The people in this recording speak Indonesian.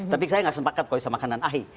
tapi saya enggak sepakat kalau bisa makan dan ahi